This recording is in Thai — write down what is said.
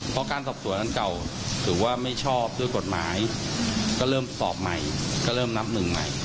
เพราะการสอบสวนอันเก่าถือว่าไม่ชอบด้วยกฎหมายก็เริ่มสอบใหม่ก็เริ่มนับหนึ่งใหม่